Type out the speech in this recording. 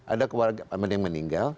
ada keluarga yang meninggal